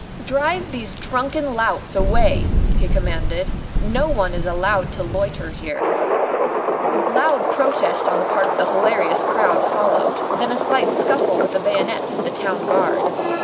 "Drive these drunken louts away!" he commanded; "no one is allowed to loiter here." Loud protest on the part of the hilarious crowd followed, then a slight scuffle with the bayonets of the Town Guard.